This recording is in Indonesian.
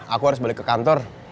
aku harus balik ke kantor